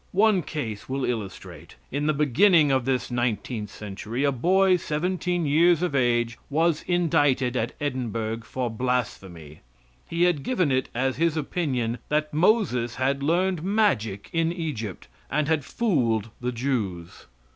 One case will illustrate. In the beginning of this nineteenth century a boy seventeen years of age was indicted at Edinburgh for blasphemy. He had given it as his opinion that Moses had learned magic in Egypt, and had fooled the Jews.